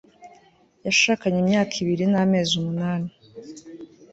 yashakanye imyaka ibiri n'amezi umunani